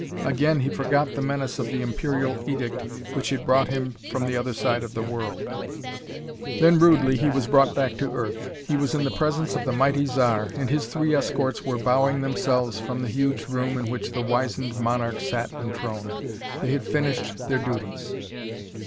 Again he forgot the menace of the imperial edict which had brought him from the other side of the world. Then rudely, he was brought back to earth. He was in the presence of the mighty Zar and his three escorts were bowing themselves from the huge room in which the wizened monarch sat enthroned. They had finished their duties.